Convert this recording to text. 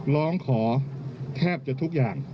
ร้องขอแทบจะทุกอย่าง